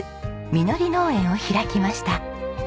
みのり農園を開きました。